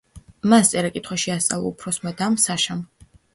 მას წერა-კითხვა შეასწავლა უფროსმა დამ საშამ.